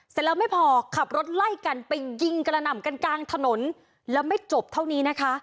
เสร็จแล้วไม่พอขับรถไล่กันไปยิงกระหน่ำกันกลางถนนแล้วไม่จบเท่านี้นะคะ